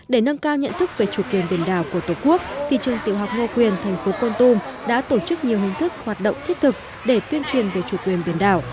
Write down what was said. để nâng cao nhận thức về chủ quyền biển đảo của tổ quốc thì trường tiểu học ngô quyền thành phố con tum đã tổ chức nhiều hình thức hoạt động thiết thực để tuyên truyền về chủ quyền biển đảo